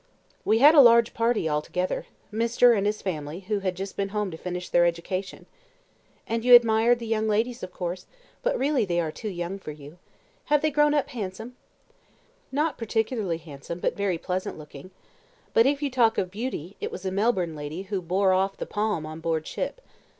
"We had a large party altogether Mr. and his family, who had just been home to finish their education." "And you admired the young ladies, of course, but really they are too young for you. Have they grown up handsome?" "Not particularly handsome, but very pleasant looking; but if you talk of beauty, it was a Melbourne lady who bore off the palm on board ship.